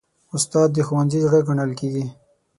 استاد د ښوونځي زړه ګڼل کېږي.